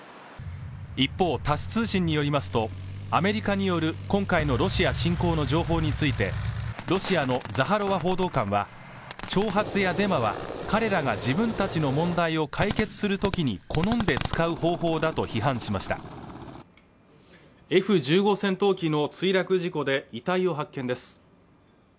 一方タス通信によりますとアメリカによる今回のロシア侵攻の情報についてロシアのザハロワ報道官は挑発やデマは彼らが自分たちの問題を解決するときに好んで使う方法だと批判しましたＦ１５戦闘機の墜落事故で遺体を発見です